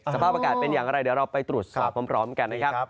สภาพอากาศเป็นอย่างไรเดี๋ยวเราไปตรวจสอบพร้อมกันนะครับ